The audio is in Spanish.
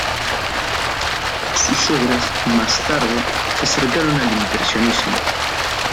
Sus obras más tarde se acercaron al Impresionismo.